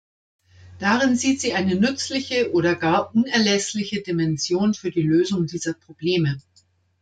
Darin sieht sie eine nützliche oder gar unerlässliche Dimension für die Lösung dieser Probleme.